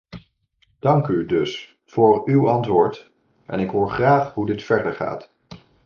Dank u dus voor uw antwoord en ik hoor graag hoe dit verder gaat.